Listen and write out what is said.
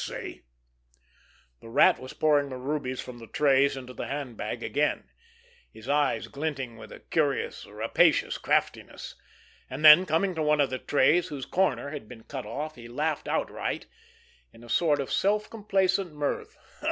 See?" The Rat was pouring the rubies from the trays into the hand bag again, his eyes glinting with a curious rapacious craftiness; and then, coming to one of the trays whose corner had been cut off, he laughed outright in a sort of self complacent mirth.